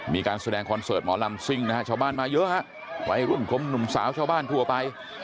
มีการแสดงคอนเสิร์ตหมอลำซิ่งนะฮะชาวบ้านมาเยอะฮะวัยรุ่นคมหนุ่มสาวชาวบ้านทั่วไป